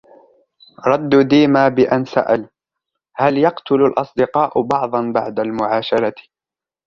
رد ديما بأن سأل: " هل يقتل الأصدقاء بعضًا بعد المعاشرة ؟"